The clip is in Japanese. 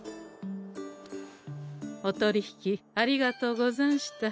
お取り引きありがとうござんした。